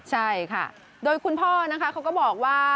ใช่ค่ะโดยคุณพ่อนะคะเขาก็บอกว่า